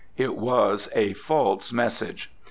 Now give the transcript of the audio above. It was a false message.